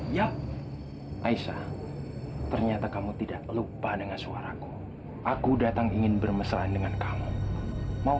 ya aisyah ternyata kamu tidak lupa dengan suara aku aku datang ingin bermesraan dengan kamu mau